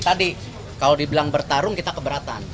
tadi kalau dibilang bertarung kita keberatan